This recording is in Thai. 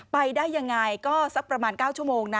ไปได้ยังไงก็สักประมาณ๙ชั่วโมงนะ